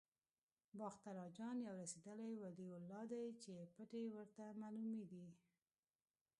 باختر اجان یو رسېدلی ولي الله دی چې پټې ورته معلومې دي.